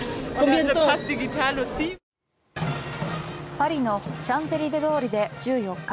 パリのシャンゼリゼ通りで１４日